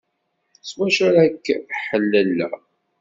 S wacu ara k-ḥelleleɣ?